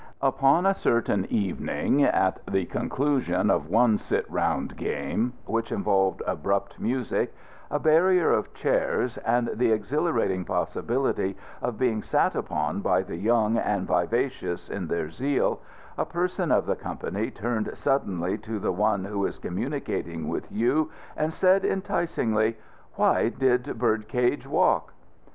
Upon a certain evening, at the conclusion of one sit round game which involved abrupt music, a barrier of chairs, and the exhilarating possibility of being sat upon by the young and vivacious in their zeal, a person of the company turned suddenly to the one who is communicating with you and said enticingly, "Why did Birdcage Walk?"